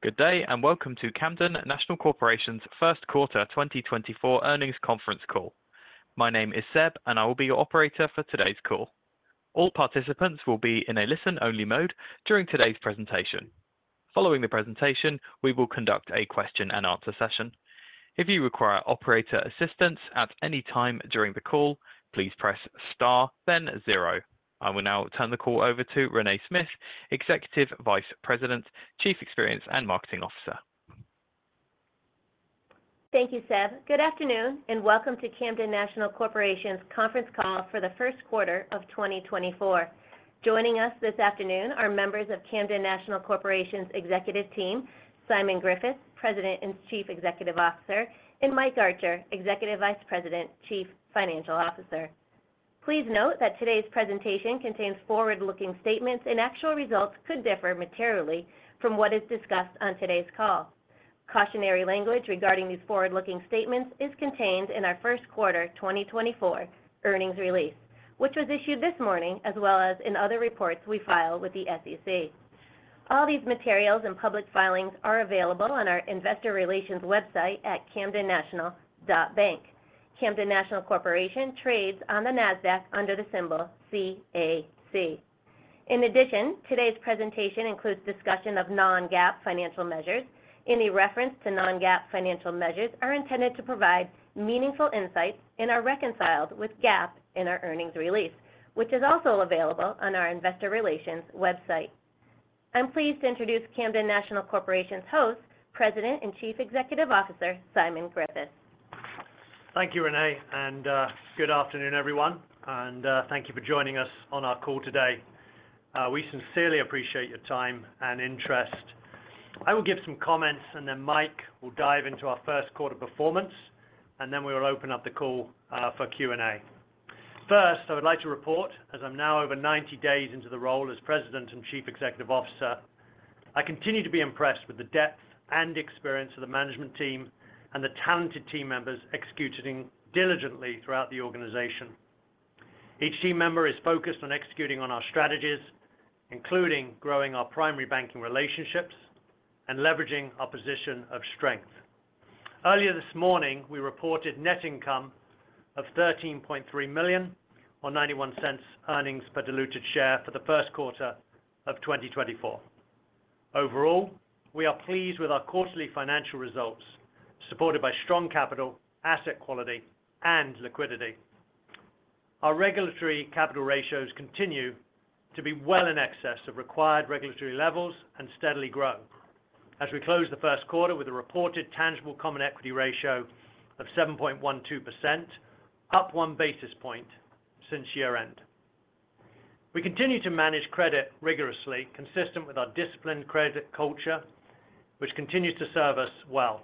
Good day, and welcome to Camden National Corporation's First Quarter 2024 Earnings Conference Call. My name is Seb, and I will be your operator for today's call. All participants will be in a listen-only mode during today's presentation. Following the presentation, we will conduct a question-and-answer session. If you require operator assistance at any time during the call, please press star, then zero. I will now turn the call over to Renée Smyth, Executive Vice President, Chief Experience and Marketing Officer. Thank you, Seb. Good afternoon, and welcome to Camden National Corporation's Conference Call for the First Quarter of 2024. Joining us this afternoon are members of Camden National Corporation's executive team, Simon Griffiths, President and Chief Executive Officer, and Mike Archer, Executive Vice President, Chief Financial Officer. Please note that today's presentation contains forward-looking statements, and actual results could differ materially from what is discussed on today's call. Cautionary language regarding these forward-looking statements is contained in our first quarter 2024 earnings release, which was issued this morning, as well as in other reports we filed with the SEC. All these materials and public filings are available on our investor relations website at camdennational.bank. Camden National Corporation trades on the Nasdaq under the symbol CAC. In addition, today's presentation includes discussion of non-GAAP financial measures. Any reference to non-GAAP financial measures are intended to provide meaningful insights and are reconciled with GAAP in our earnings release, which is also available on our investor relations website. I'm pleased to introduce Camden National Corporation's host, President and Chief Executive Officer, Simon Griffiths. Thank you, Renée, and good afternoon, everyone. Thank you for joining us on our call today. We sincerely appreciate your time and interest. I will give some comments, and then Mike will dive into our first quarter performance, and then we will open up the call for Q&A. First, I would like to report, as I'm now over 90 days into the role as President and Chief Executive Officer, I continue to be impressed with the depth and experience of the management team and the talented team members executing diligently throughout the organization. Each team member is focused on executing on our strategies, including growing our primary banking relationships and leveraging our position of strength. Earlier this morning, we reported net income of $13.3 million or $0.91 earnings per diluted share for the first quarter of 2024. Overall, we are pleased with our quarterly financial results, supported by strong capital, asset quality, and liquidity. Our regulatory capital ratios continue to be well in excess of required regulatory levels and steadily grow. As we close the first quarter with a reported tangible common equity ratio of 7.12%, up 1 basis point since year-end. We continue to manage credit rigorously, consistent with our disciplined credit culture, which continues to serve us well.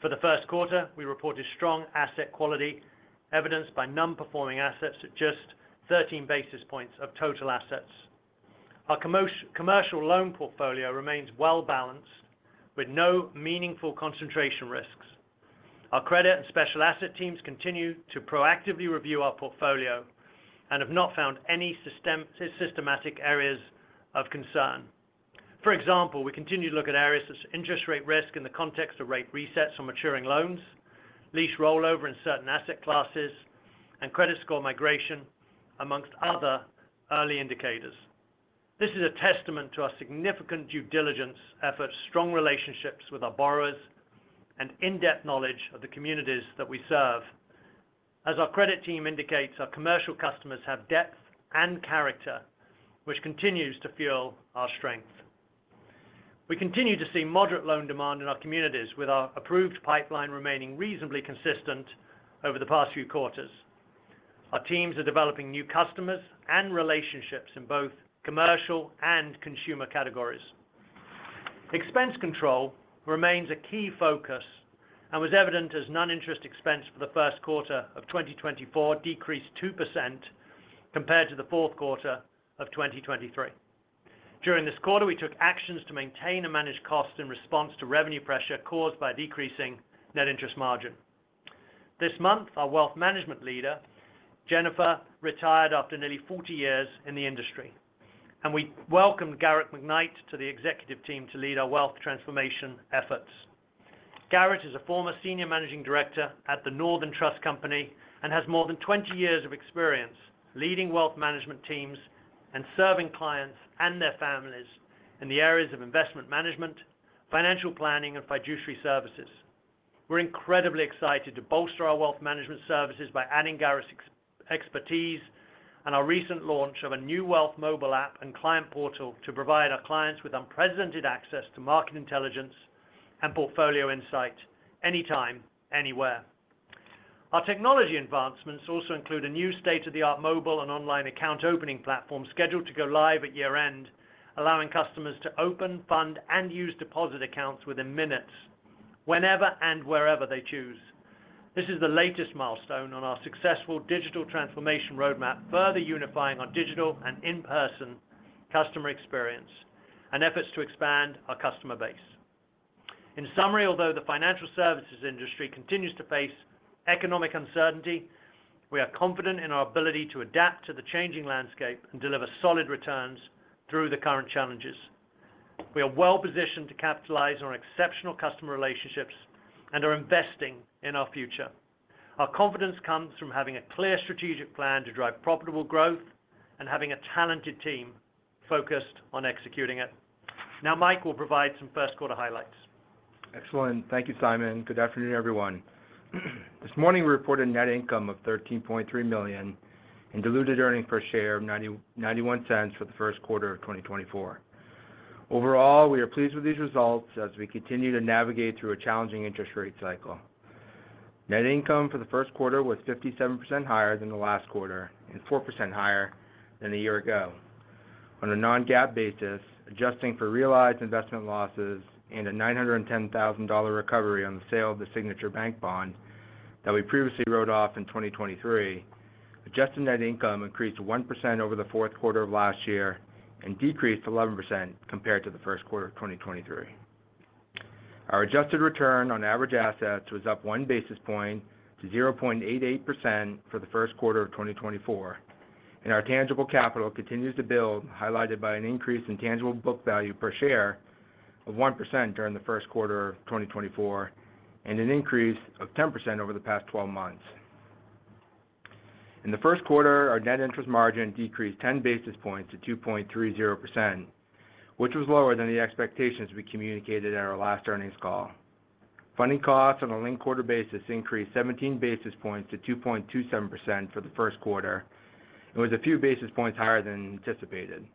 For the first quarter, we reported strong asset quality, evidenced by non-performing assets at just 13 basis points of total assets. Our commercial loan portfolio remains well-balanced, with no meaningful concentration risks. Our credit and special asset teams continue to proactively review our portfolio and have not found any systematic areas of concern. For example, we continue to look at areas such as interest rate risk in the context of rate resets on maturing loans, lease rollover in certain asset classes, and credit score migration, amongst other early indicators. This is a testament to our significant due diligence efforts, strong relationships with our borrowers, and in-depth knowledge of the communities that we serve. As our credit team indicates, our commercial customers have depth and character, which continues to fuel our strength. We continue to see moderate loan demand in our communities, with our approved pipeline remaining reasonably consistent over the past few quarters. Our teams are developing new customers and relationships in both commercial and consumer categories. Expense control remains a key focus and was evident as non-interest expense for the first quarter of 2024 decreased 2% compared to the fourth quarter of 2023. During this quarter, we took actions to maintain and manage costs in response to revenue pressure caused by decreasing net interest margin. This month, our wealth management leader, Jennifer, retired after nearly 40 years in the industry, and we welcomed Garrett McKnight to the executive team to lead our wealth transformation efforts. Garrett is a former senior managing director at the Northern Trust Company and has more than 20 years of experience leading wealth management teams and serving clients and their families in the areas of investment management, financial planning, and fiduciary services. We're incredibly excited to bolster our wealth management services by adding Garrett's expertise and our recent launch of a new wealth mobile app and client portal to provide our clients with unprecedented access to market intelligence and portfolio insight anytime, anywhere. Our technology advancements also include a new state-of-the-art mobile and online account opening platform, scheduled to go live at year-end, allowing customers to open, fund, and use deposit accounts within minutes, whenever and wherever they choose. This is the latest milestone on our successful digital transformation roadmap, further unifying our digital and in-person customer experience and efforts to expand our customer base. In summary, although the financial services industry continues to face economic uncertainty, we are confident in our ability to adapt to the changing landscape and deliver solid returns through the current challenges. We are well-positioned to capitalize on our exceptional customer relationships and are investing in our future. Our confidence comes from having a clear strategic plan to drive profitable growth and having a talented team focused on executing it. Now, Mike will provide some first-quarter highlights. Excellent. Thank you, Simon. Good afternoon, everyone. This morning, we reported net income of $13.3 million and diluted earnings per share of $0.91 for the first quarter of 2024. Overall, we are pleased with these results as we continue to navigate through a challenging interest rate cycle. Net income for the first quarter was 57% higher than the last quarter and 4% higher than a year ago. On a non-GAAP basis, adjusting for realized investment losses and a $910,000 recovery on the sale of the Signature Bank bond that we previously wrote off in 2023, adjusted net income increased 1% over the fourth quarter of last year and decreased 11% compared to the first quarter of 2023. Our adjusted return on average assets was up 1 basis point to 0.88% for the first quarter of 2024, and our tangible capital continues to build, highlighted by an increase in tangible book value per share of 1% during the first quarter of 2024, and an increase of 10% over the past twelve months. In the first quarter, our net interest margin decreased 10 basis points to 2.30%, which was lower than the expectations we communicated at our last earnings call. Funding costs on a linked quarter basis increased 17 basis points to 2.27% for the first quarter and was a few basis points higher than anticipated.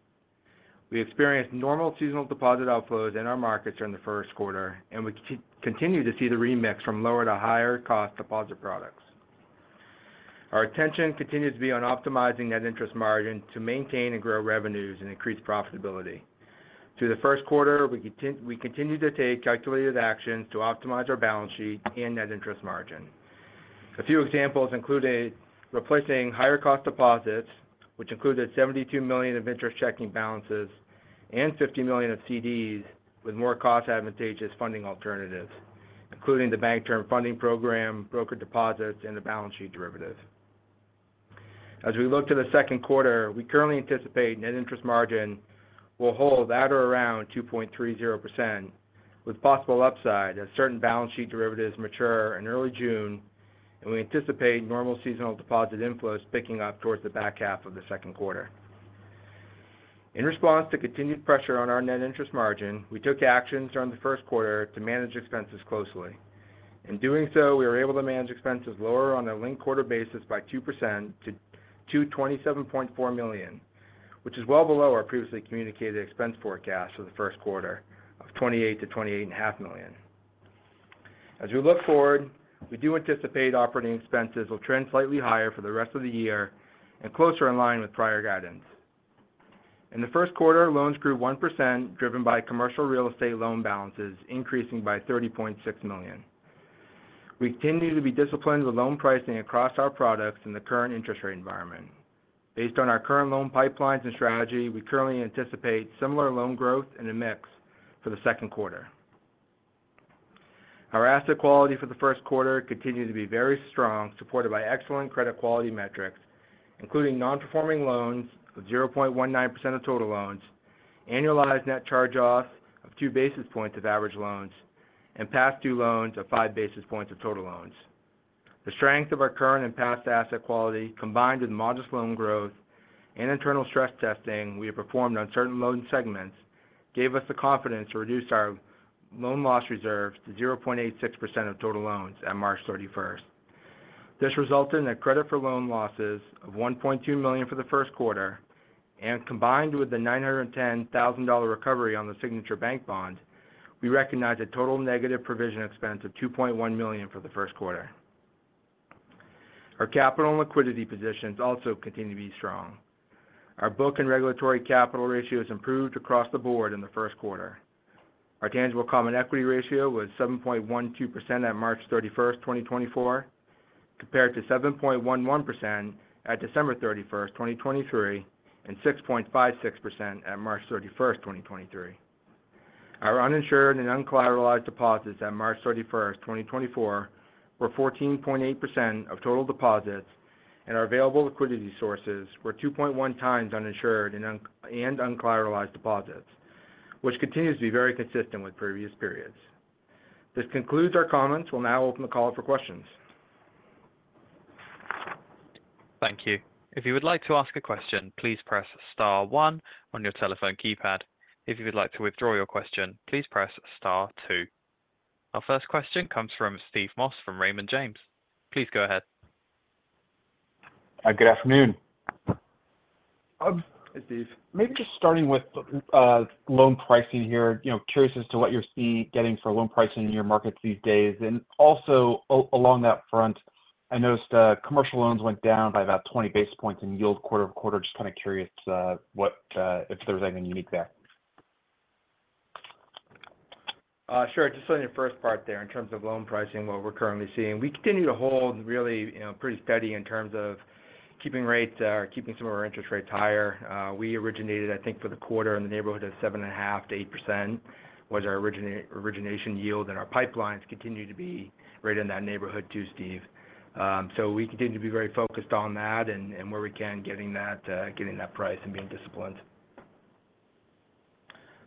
We experienced normal seasonal deposit outflows in our markets during the first quarter, and we continue to see the remix from lower to higher cost deposit products. Our attention continues to be on optimizing net interest margin to maintain and grow revenues and increase profitability. Through the first quarter, we continued to take calculated actions to optimize our balance sheet and net interest margin. A few examples included replacing higher cost deposits, which included $72 million of interest checking balances and $50 million of CDs with more cost advantageous funding alternatives, including the Bank Term Funding Program, broker deposits, and the balance sheet derivatives. As we look to the second quarter, we currently anticipate net interest margin will hold at or around 2.30%, with possible upside as certain balance sheet derivatives mature in early June, and we anticipate normal seasonal deposit inflows picking up towards the back half of the second quarter. In response to continued pressure on our net interest margin, we took actions during the first quarter to manage expenses closely. In doing so, we were able to manage expenses lower on a linked quarter basis by 2% to $227.4 million, which is well below our previously communicated expense forecast for the first quarter of $28 million-$28.5 million. As we look forward, we do anticipate operating expenses will trend slightly higher for the rest of the year and closer in line with prior guidance. In the first quarter, loans grew 1%, driven by commercial real estate loan balances, increasing by $30.6 million. We continue to be disciplined with loan pricing across our products in the current interest rate environment. Based on our current loan pipelines and strategy, we currently anticipate similar loan growth and a mix for the second quarter. Our asset quality for the first quarter continued to be very strong, supported by excellent credit quality metrics, including non-performing loans of 0.19% of total loans, annualized net charge-offs of two basis points of average loans, and past due loans of five basis points of total loans. The strength of our current and past asset quality, combined with modest loan growth and internal stress testing we have performed on certain loan segments, gave us the confidence to reduce our loan loss reserves to 0.86% of total loans at March 31. This resulted in a credit for loan losses of $1.2 million for the first quarter, and combined with the $910,000 recovery on the Signature Bank bond, we recognized a total negative provision expense of $2.1 million for the first quarter. Our capital and liquidity positions also continue to be strong. Our book and regulatory capital ratios improved across the board in the first quarter. Our tangible common equity ratio was 7.12% at March 31, 2024, compared to 7.11% at December 31, 2023, and 6.56% at March 31, 2023. Our uninsured and uncollateralized deposits at March 31, 2024, were 14.8% of total deposits, and our available liquidity sources were 2.1x uninsured and uncollateralized deposits, which continues to be very consistent with previous periods. This concludes our comments. We'll now open the call for questions. Thank you. If you would like to ask a question, please press star one on your telephone keypad. If you would like to withdraw your question, please press star two. Our first question comes from Steve Moss from Raymond James. Please go ahead. Good afternoon. Steve, maybe just starting with loan pricing here. You know, curious as to what you're getting for loan pricing in your markets these days. And also, along that front, I noticed commercial loans went down by about 20 basis points in yield quarter-over-quarter. Just kind of curious what if there's anything unique there? Sure. Just on your first part there, in terms of loan pricing, what we're currently seeing. We continue to hold really, you know, pretty steady in terms of keeping rates, or keeping some of our interest rates higher. We originated, I think, for the quarter in the neighborhood of 7.5%-8%, was our origination yield, and our pipelines continue to be right in that neighborhood too, Steve. So we continue to be very focused on that, and where we can, getting that price and being disciplined.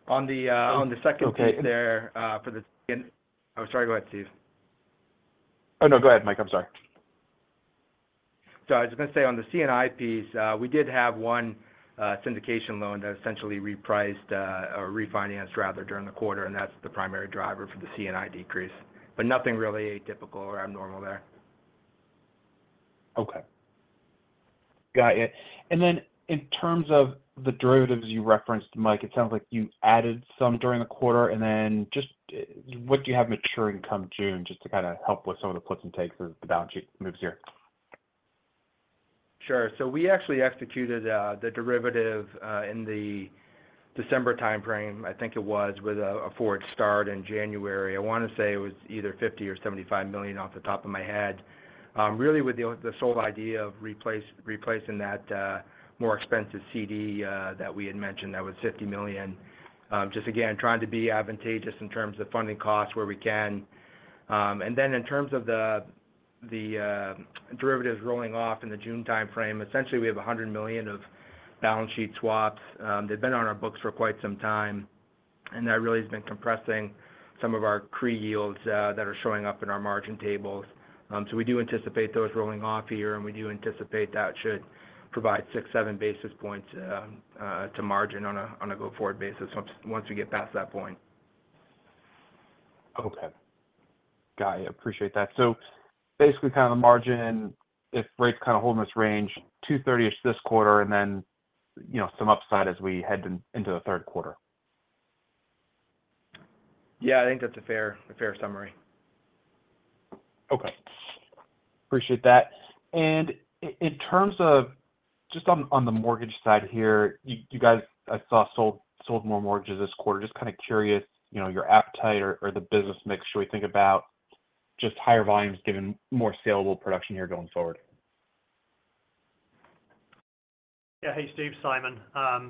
On the second piece- Okay. Oh, sorry, go ahead, Steve. Oh, no, go ahead, Mike. I'm sorry. So I was just going to say, on the C&I piece, we did have one syndication loan that essentially repriced, or refinanced rather, during the quarter, and that's the primary driver for the C&I decrease, but nothing really atypical or abnormal there. Okay. Got it. And then in terms of the derivatives you referenced, Mike, it sounds like you added some during the quarter, and then just, what do you have maturing come June, just to kind of help with some of the puts and takes as the balance sheet moves here? Sure. So we actually executed the derivative in the December timeframe, I think it was, with a forward start in January. I want to say it was either $50 million or $75 million off the top of my head. Really with the sole idea of replacing that more expensive CD that we had mentioned, that was $50 million. Just again, trying to be advantageous in terms of funding costs where we can. And then in terms of the derivatives rolling off in the June timeframe, essentially, we have $100 million of balance sheet swaps. They've been on our books for quite some time, and that really has been compressing some of our CRE yields that are showing up in our margin tables. We do anticipate those rolling off here, and we do anticipate that should provide 6-7 basis points to margin on a go-forward basis once we get past that point. Okay. Got it. Appreciate that. So basically, kind of the margin, if rates kind of hold in this range, 2.30-ish this quarter, and then, you know, some upside as we head into the third quarter. Yeah, I think that's a fair summary. Okay. Appreciate that. In terms of just on the mortgage side here, you guys, I saw sold more mortgages this quarter. Just kind of curious, you know, your appetite or the business mix. Should we think about just higher volumes given more saleable production here going forward? Yeah. Hey, Steve, Simon.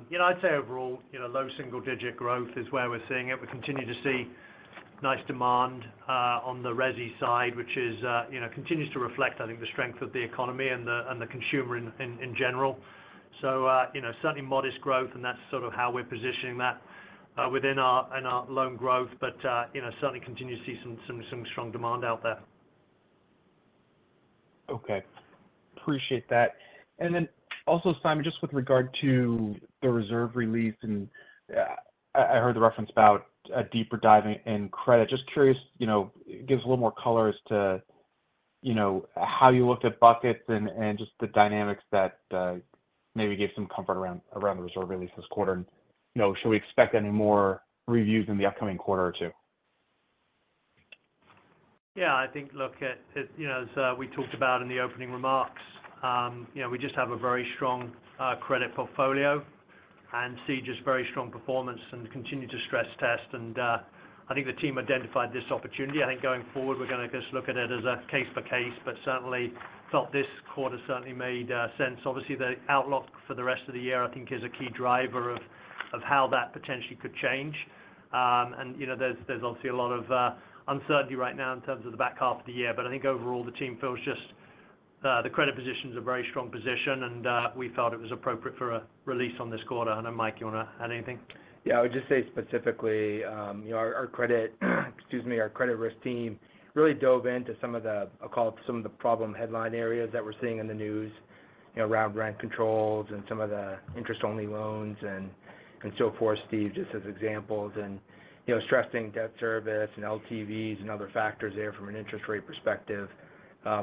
You know, I'd say overall, you know, low single digit growth is where we're seeing it. We continue to see nice demand on the resi side, which is, you know, continues to reflect, I think, the strength of the economy and the consumer in general. So, you know, certainly modest growth, and that's sort of how we're positioning that within our loan growth. But, you know, certainly continue to see some strong demand out there. Okay. Appreciate that. And then also, Simon, just with regard to the reserve release, and I heard the reference about a deeper dive in credit. Just curious, you know, give us a little more color as to, you know, how you looked at buckets and just the dynamics that maybe gave some comfort around the reserve release this quarter. And, you know, should we expect any more reviews in the upcoming quarter or two? Yeah, I think, look, it, it, you know, as we talked about in the opening remarks, you know, we just have a very strong credit portfolio and see just very strong performance and continue to stress test. And, I think the team identified this opportunity. I think going forward, we're going to just look at it as a case-by-case, but certainly felt this quarter certainly made sense. Obviously, the outlook for the rest of the year, I think, is a key driver of, of how that potentially could change. And, you know, there's, there's obviously a lot of uncertainty right now in terms of the back half of the year. But I think overall, the team feels just the credit position is a very strong position, and we felt it was appropriate for a release on this quarter. I don't know, Mike, you want to add anything? Yeah, I would just say specifically, you know, our, our credit, excuse me, our credit risk team really dove into some of the, I'll call it, some of the problem headline areas that we're seeing in the news, you know, around rent controls and some of the interest-only loans and, and so forth, Steve, just as examples. And, you know, stressing debt service and LTVs and other factors there from an interest rate perspective,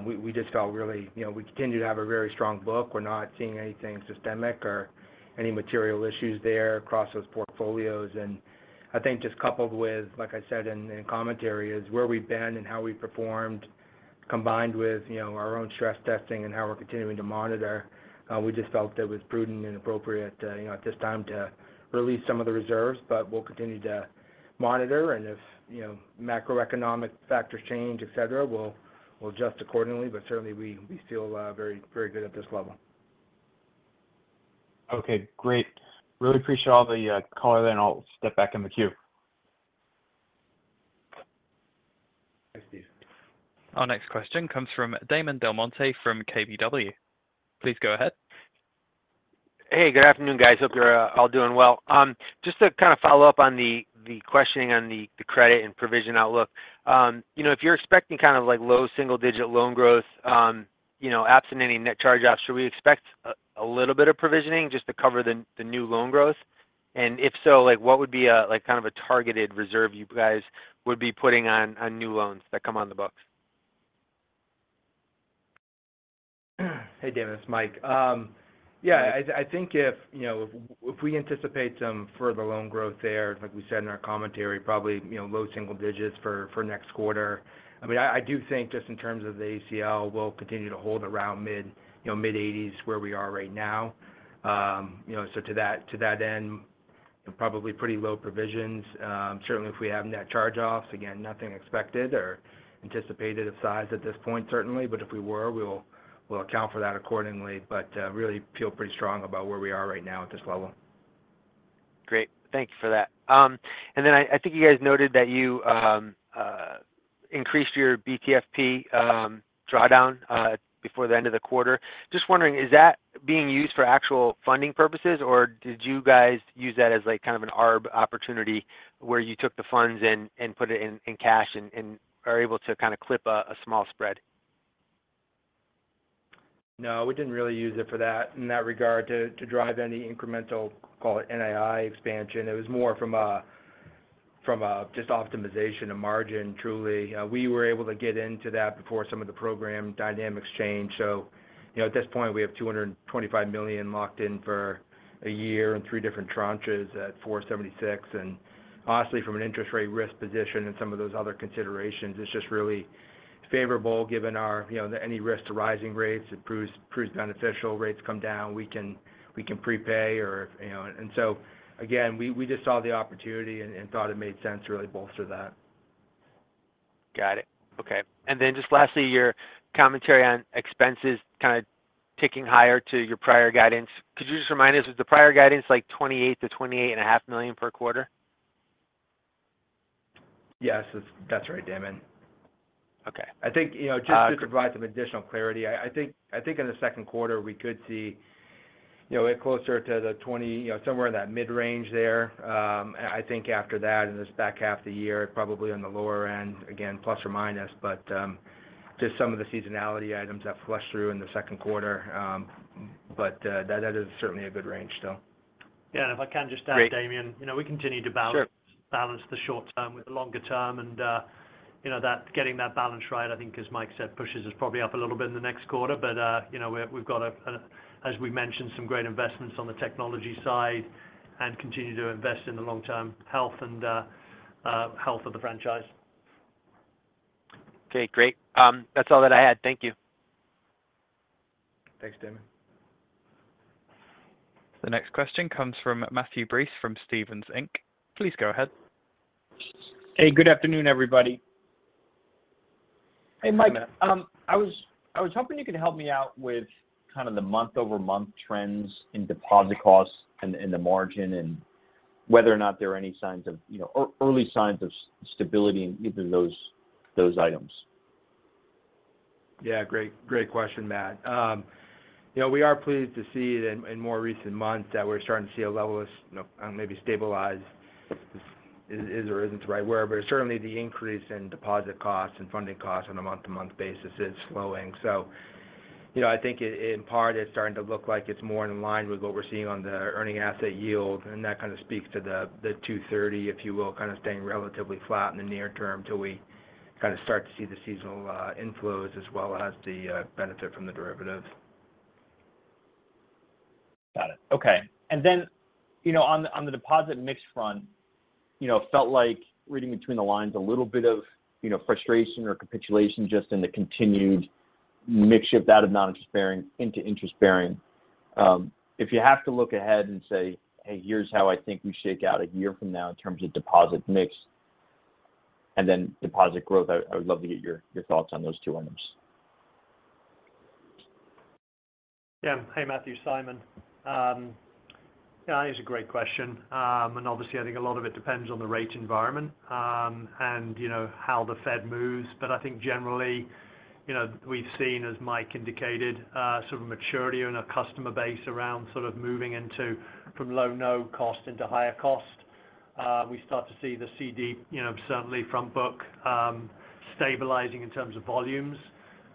we, we just felt really. You know, we continue to have a very strong book. We're not seeing anything systemic or any material issues there across those portfolios. I think just coupled with, like I said in commentary, is where we've been and how we've performed, combined with, you know, our own stress testing and how we're continuing to monitor, we just felt it was prudent and appropriate, you know, at this time to release some of the reserves. But we'll continue to monitor, and if, you know, macroeconomic factors change, et cetera, we'll adjust accordingly. But certainly, we feel, very, very good at this level. Okay, great. Really appreciate all the color, and I'll step back in the queue. Thanks, Steve. Our next question comes from Damon DelMonte from KBW. Please go ahead. Hey, good afternoon, guys. Hope you're all doing well. Just to kind of follow up on the questioning on the credit and provision outlook. You know, if you're expecting kind of like low single-digit loan growth, you know, absent any net charge-offs, should we expect a little bit of provisioning just to cover the new loan growth? And if so, like, what would be like, kind of a targeted reserve you guys would be putting on new loans that come on the books? Hey, Damon, it's Mike. Yeah, I think if, you know, if we anticipate some further loan growth there, like we said in our commentary, probably, you know, low single digits for next quarter. I mean, I do think just in terms of the ACL, we'll continue to hold around mid, you know, mid-eighties where we are right now. You know, so to that end and probably pretty low provisions. Certainly, if we have net charge-offs, again, nothing expected or anticipated of size at this point, certainly. But if we were, we'll account for that accordingly. But really feel pretty strong about where we are right now at this level. Great. Thank you for that. And then I think you guys noted that you increased your BTFP drawdown before the end of the quarter. Just wondering, is that being used for actual funding purposes, or did you guys use that as, like, kind of an arb opportunity, where you took the funds and put it in cash and are able to kind of clip a small spread? No, we didn't really use it for that in that regard, to drive any incremental, call it NII expansion. It was more from a just optimization of margin, truly. We were able to get into that before some of the program dynamics changed. So, you know, at this point, we have $225 million locked in for a year in three different tranches at 4.76. And honestly, from an interest rate risk position and some of those other considerations, it's just really favorable, given our, you know, any risk to rising rates, it proves beneficial. Rates come down, we can prepay or, you know. And so again, we just saw the opportunity and thought it made sense to really bolster that. Got it. Okay. And then just lastly, your commentary on expenses kind of ticking higher to your prior guidance. Could you just remind us, was the prior guidance like $28 million-$28.5 million per quarter? Yes, that's right, Damon. Okay. Just to provide some additional clarity, I think in the second quarter, we could see it closer to the 20 somewhere in that mid-range there. And I think after that, in this back half of the year, probably on the lower end, again, ±. But just some of the seasonality items that flush through in the second quarter. But that is certainly a good range still. And if I can just add, Damon we continue to balance the short term with the longer term, and getting that balance right, as Mike said, pushes us probably up a little bit in the next quarter. But you know, we've got a, as we mentioned, some great investments on the technology side and continue to invest in the long-term health and health of the franchise. Okay, great. That's all that I had. Thank you. Thanks, Damian. The next question comes from Matthew Breese, from Stephens Inc. Please go ahead. Hey, good afternoon, everybody. Hey, Matt. I was hoping you could help me out with kind of the month-over-month trends in deposit costs and the margin, and whether or not there are any signs of, you know, early signs of stability in either those items. Yeah, great, great question, Matt. You know, we are pleased to see that in more recent months, that we're starting to see a level of, you know, maybe stabilize, is, is or isn't the right word. But certainly, the increase in deposit costs and funding costs on a month-to-month basis is slowing. So, you know, I think in part, it's starting to look like it's more in line with what we're seeing on the earning asset yield, and that kind of speaks to the, the 2.30, if you will, kind of staying relatively flat in the near term until we kind of start to see the seasonal inflows as well as the benefit from the derivatives. Got it. Okay. And then, you know, on the deposit mix front, you know, it felt like reading between the lines, a little bit of, you know, frustration or capitulation just in the continued mix shift out of non-interest bearing into interest bearing. If you have to look ahead and say, "Hey, here's how I think we shake out a year from now in terms of deposit mix and then deposit growth," I would love to get your thoughts on those two items. Yeah. Hey, Matthew, Simon. Yeah, it's a great question. And obviously, I think a lot of it depends on the rate environment, and you know, how the Fed moves. But I think generally, you know, we've seen, as Mike indicated, sort of maturity in our customer base around sort of moving into from low, no cost into higher cost. We start to see the CD, you know, certainly front book, stabilizing in terms of volumes,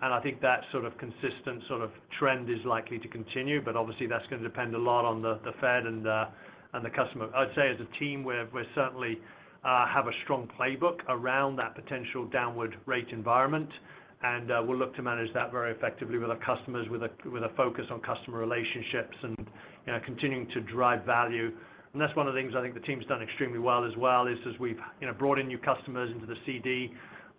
and I think that sort of consistent sort of trend is likely to continue. But obviously, that's going to depend a lot on the, the Fed and the, and the customer. I'd say as a team, we're, we're certainly, have a strong playbook around that potential downward rate environment. We'll look to manage that very effectively with our customers, with a focus on customer relationships and, you know, continuing to drive value. That's one of the things I think the team's done extremely well as well, is as we've, you know, brought in new customers into the CD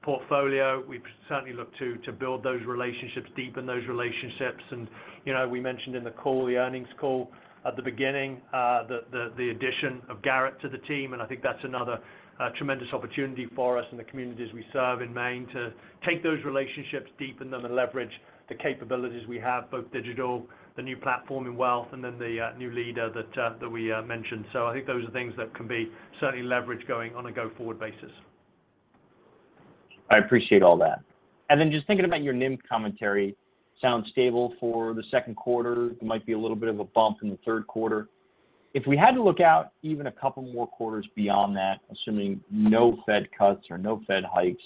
portfolio. We've certainly looked to build those relationships, deepen those relationships. You know, we mentioned in the call, the earnings call at the beginning, the addition of Garrett to the team, and I think that's another tremendous opportunity for us and the communities we serve in Maine to take those relationships, deepen them, and leverage the capabilities we have, both digital, the new platform in Wealth, and then the new leader that we mentioned. I think those are things that can be certainly leveraged going on a go-forward basis. I appreciate all that. Then just thinking about your NIM commentary, sounds stable for the second quarter. There might be a little bit of a bump in the third quarter. If we had to look out even a couple more quarters beyond that, assuming no Fed cuts or no Fed hikes,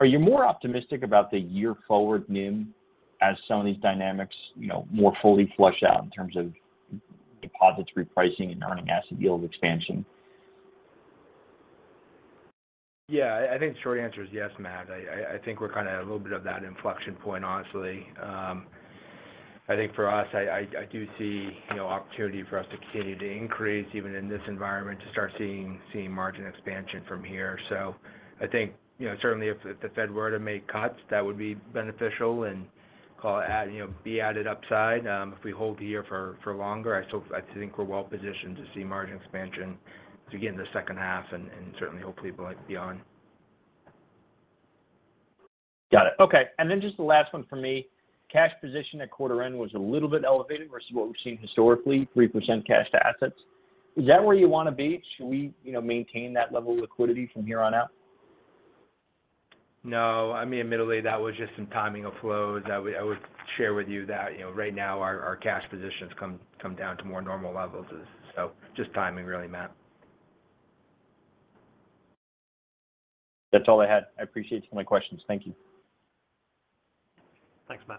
are you more optimistic about the year forward NIM as some of these dynamics, you know, more fully flush out in terms of deposits repricing and earning asset yield expansion? Yeah. I think the short answer is yes, Matt. I think we're kind of at a little bit of that inflection point, honestly. I think for us, I do see, you know, opportunity for us to continue to increase, even in this environment, to start seeing margin expansion from here. So I think, you know, certainly if the Fed were to make cuts, that would be beneficial and call it, add, you know, be added upside. If we hold here for longer, I still. I think we're well positioned to see margin expansion to get in the second half and certainly hopefully beyond. Got it. Okay. And then just the last one for me. Cash position at quarter end was a little bit elevated versus what we've seen historically, 3% cash to assets. Is that where you want to be? Should we, you know, maintain that level of liquidity from here on out? No. I mean, admittedly, that was just some timing of flows. I would share with you that, you know, right now our cash positions come down to more normal levels. So just timing really, Matt. That's all I had. I appreciate you for my questions. Thank you. Thanks, Matt.